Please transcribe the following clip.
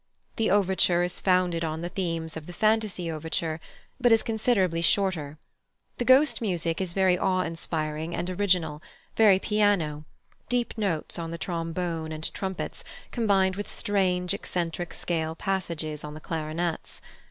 The overture is founded on the themes of the "Fantasy Overture," but is considerably shorter. The Ghost music is very awe inspiring and original, very piano, deep notes on the trombone and trumpets, combined with strange, eccentric scale passages on the clarinets.